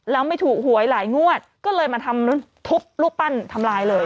แล้วไม่ถูกหวยหลายงวดก็เลยมาทำทุบรูปปั้นทำลายเลย